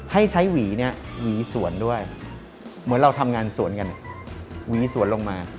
ให้ใช้หวีเนี่ยหวีสวนด้วยเหมือนเราทำงานสวนกันหวีสวนลงมา